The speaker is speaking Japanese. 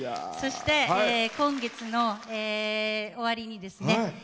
そして今月の終わりにですね